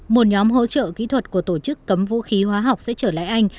một nhóm hỗ trợ kỹ thuật của tổ chức câm vũ khí khoa học sẽ trở lại anh